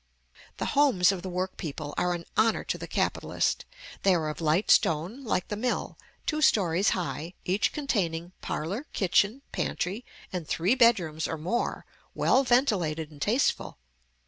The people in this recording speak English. The homes of the work people are an honor to the capitalist. They are of light stone, like the mill, two stories high, each containing parlor, kitchen, pantry, and three bedrooms or more, well ventilated and tasteful.